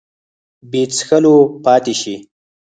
بې څکلو پاته شي